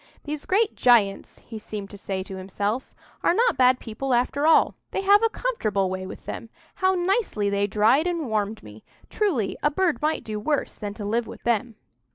"These great giants," he seemed to say to himself, "are not bad people after all; they have a comfortable way with them; how nicely they dried and warmed me! Truly a bird might do worse than to live with them."